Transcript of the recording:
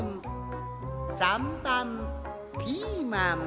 ３ばんピーマン。